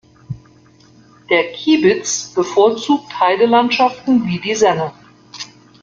Der Kiebitz bevorzugt Heidelandschaften wie die Senne.